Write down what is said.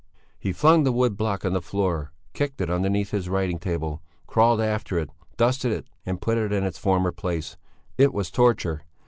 He flung the wood block on the floor, kicked it underneath his writing table, crawled after it, dusted it and put it in its former place. It was torture!